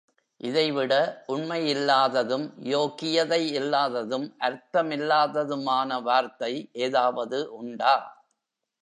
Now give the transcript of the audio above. இதைவிட உண்மையில்லாததும், யோக்கியதை இல்லாததும், அர்த்தமில்லாததுமான வார்த்தை ஏதாவது உண்டா?